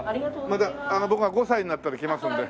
また僕が５歳になったら来ますんで。